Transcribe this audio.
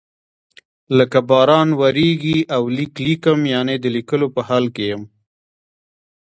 لکه باران وریږي او لیک لیکم یعنی د لیکلو په حال کې یم.